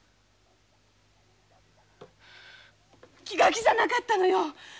気が気じゃなかったのよ！